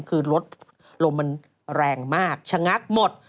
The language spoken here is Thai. คือรถลมมันแรงมากชะงักหมด